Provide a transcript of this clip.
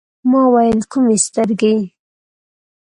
ما ویل: کومي سترګي ؟